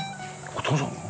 お父さんが？